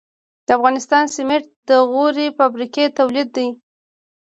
د افغانستان سمنټ د غوري فابریکې تولید دي